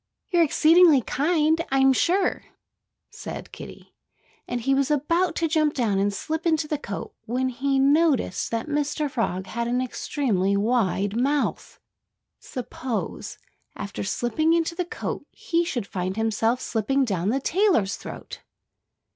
"You're exceedingly kind, I'm sure," said Kiddie. And he was about to jump down and slip into the coat when he noticed that Mr. Frog had an extremely wide mouth.... Suppose, after slipping into the coat, he should find himself slipping down the tailor's throat?